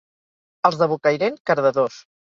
Els de Bocairent, cardadors.